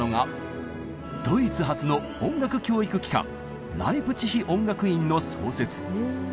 ドイツ初の音楽教育機関「ライプチヒ音楽院」の創設。